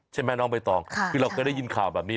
ใช่ไหมน้องใบตองคือเราเคยได้ยินข่าวแบบนี้